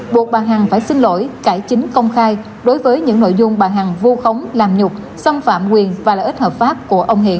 buộc bà hằng phải xin lỗi cải chính công khai đối với những nội dung bà hằng vu khống làm nhục xâm phạm quyền và lợi ích hợp pháp của ông hiện